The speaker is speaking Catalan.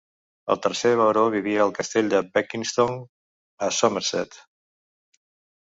El tercer baró vivia al castell de Beckington a Somerset.